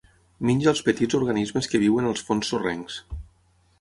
Menja els petits organismes que viuen als fons sorrencs.